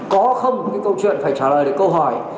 có không cái câu chuyện phải trả lời đến câu hỏi